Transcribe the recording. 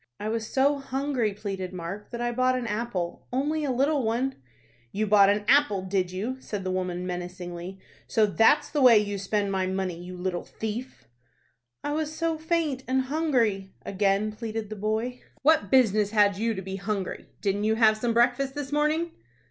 "I was so hungry," pleaded Mark, "that I bought an apple, only a little one." "You bought an apple, did you?" said the woman, menacingly. "So that's the way you spend my money, you little thief?" "I was so faint and hungry," again pleaded the boy. "What business had you to be hungry? Didn't you have some breakfast this morning?"